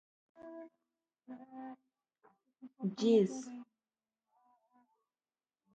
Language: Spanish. La lígula es membranosa, truncada o acuminada.